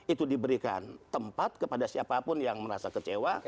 itu diberikan tempat kepada siapapun yang merasa kecewa